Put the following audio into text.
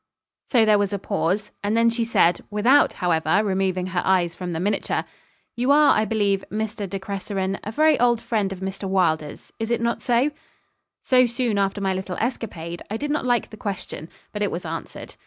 So there was a pause; and then she said, without, however, removing her eyes from the miniature, 'You are, I believe, Mr. De Cresseron, a very old friend of Mr. Wylder's. Is it not so?' So soon after my little escapade, I did not like the question; but it was answered.